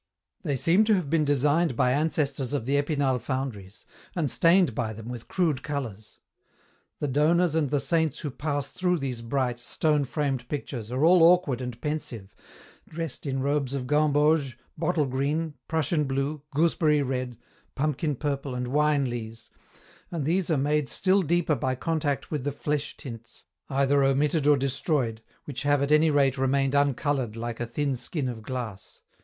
They seem to have been designed by ancestors of the Epinal foundries, and stained by them with crude colours. The donors and the saints who pass through these bright, stone framed pictures are all awkward and pensive, dressed in robes of gamboge, bottle green, prussian blue, gooseberry red, pumpkin purple and wine lees, and these are made still deeper by contact with the flesh tints, either omitted or de stroyed, which have at any rate remained uncoloured like a thin skin of glass.